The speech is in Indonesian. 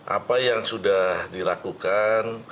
apa yang sudah dilakukan